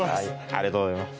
ありがとうございます。